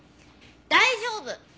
大丈夫。